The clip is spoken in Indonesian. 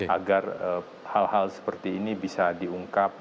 agar hal hal seperti ini bisa diungkap